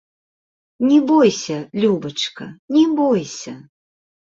Не бойся, любачка, не бойся!